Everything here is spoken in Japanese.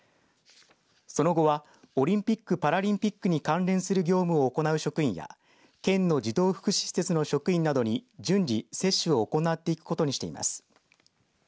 その後はオリンピック・パラリンピックに関連する業務を行う職員や県の児童福祉施設の職員などに順次、接種を行っていくことにしています。